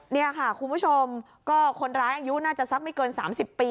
นี่ค่ะคุณผู้ชมก็คนร้ายอายุน่าจะสักไม่เกิน๓๐ปี